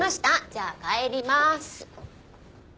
じゃあ帰りまーす。